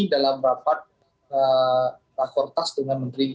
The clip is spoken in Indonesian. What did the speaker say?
dalam rapat rakortas dengan menteri keuangan